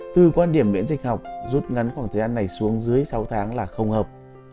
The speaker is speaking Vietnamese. từ quan điểm miễn dịch học rút ngắn khoảng thời gian này xuống dưới sáu tháng là không hợp